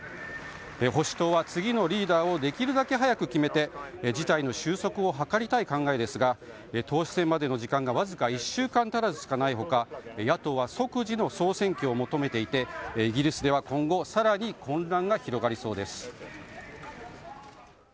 保守党は次のリーダーをできるだけ早く決めて事態の収束を図りたい考えですが党首選までの時間がわずか１週間足らずしかない他野党は即時の総選挙を求めていてイギリスでは今後さらに混乱が広がりそうです。